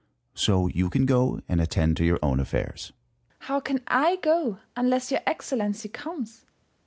So you can go and attend to your own affairs. First Hour. How can I go unless your Excellency comes